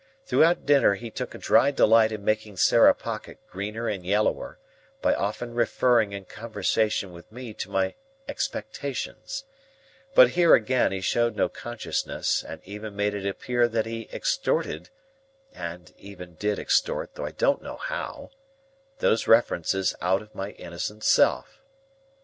Throughout dinner he took a dry delight in making Sarah Pocket greener and yellower, by often referring in conversation with me to my expectations; but here, again, he showed no consciousness, and even made it appear that he extorted—and even did extort, though I don't know how—those references out of my innocent self.